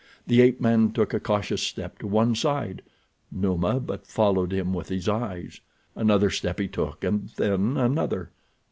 The ape man took a cautious step to one side—Numa but followed him with his eyes. Another step he took, and then another.